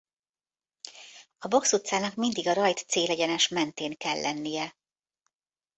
A bokszutcának mindig a rajt-célegyenes mentén kell lennie.